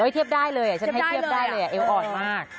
เทียบได้เลยฉันให้เทียบได้เลยเอวอ่อนมาก